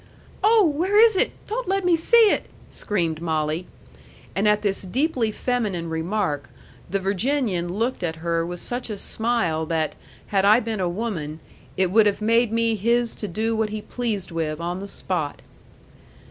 "Oh, where is it? Don't let me see it!" screamed Molly. And at this deeply feminine remark, the Virginian looked at her with such a smile that, had I been a woman, it would have made me his to do what he pleased with on the spot.